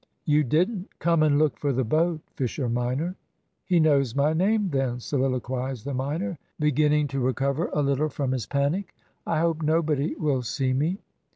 "You didn't. Come and look for the boat, Fisher minor." "He knows my name then," soliloquised the minor, beginning to recover a little from his panic. "I hope nobody will see me."